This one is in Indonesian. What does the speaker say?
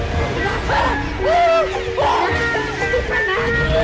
ya allah bapak mastri